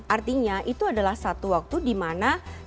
artinya itu adalah satu waktu di mana seluruh mata penjuru